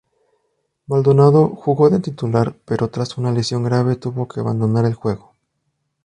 Maldonado jugó de titular, pero tras una lesión grave, tuvo que abandonar el juego.